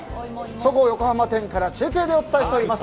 そごう横浜店から中継でお伝えしております。